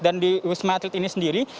dan di wisma atlet ini sendiri